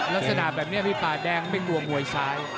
ลักษณะแบบนี้พี่ป่าแดงไม่รวมมวยซ้าย